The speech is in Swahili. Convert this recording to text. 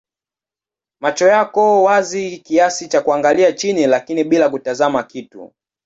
Macho yako wazi kiasi kwa kuangalia chini lakini bila kutazama kitu.